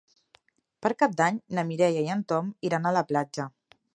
Per Cap d'Any na Mireia i en Tom iran a la platja.